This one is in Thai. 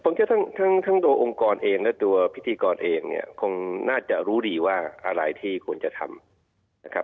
ผมเชื่อทั้งโดยองค์กรเองและตัวพิธีกรเองคงน่าจะรู้ดีว่าอะไรที่ควรจะทำ